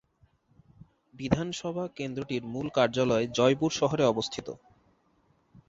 বিধানসভা কেন্দ্রটির মূল কার্যালয় জয়পুর শহরে অবস্থিত।